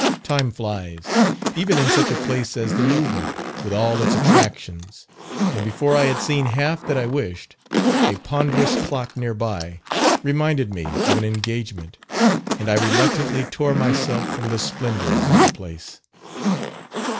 Time flies, even in such a place as the Louvre with all its attractions; and before I had seen half that I wished, a ponderous clock near by reminded me of an engagement, and I reluctantly tore myself from the splendours of the place.